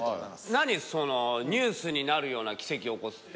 何そのニュースになるような奇跡を起こすって。